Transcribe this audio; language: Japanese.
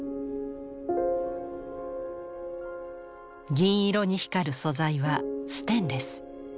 銀色に光る素材はステンレス。